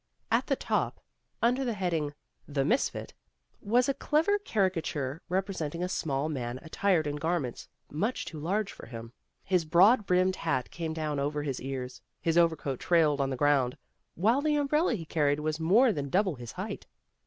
At the top, under the heading, "The Misfit," was a clever caricature representing a small man at tired in garments much too large for him. His broad brimmed hat came down over his ears, his overcoat trailed on the ground, while the umbrella he carried was more than double his height.